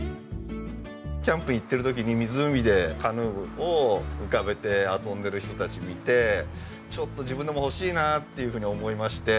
キャンプ行ってる時に湖でカヌーを浮かべて遊んでいる人たち見てちょっと自分でも欲しいなっていうふうに思いまして。